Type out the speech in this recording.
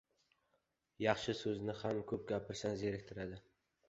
yaxshi so‘zni ham ko‘p gapirsang — zeriktiradi.